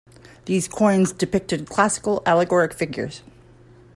These coins depicted classical allegoric figures.